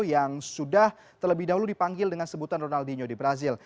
yang sudah terlebih dahulu dipanggil dengan sebutan ronaldinho di brazil